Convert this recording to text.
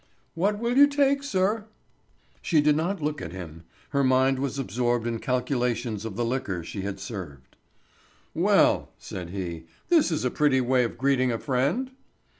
"What will you take, sir?" She did not look at him; her mind was absorbed in calculations of the liquor she had served. "Well," said he, "this is a pretty way of greeting a friend."